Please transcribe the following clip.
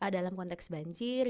dalam konteks banjir